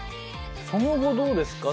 その後どうですか？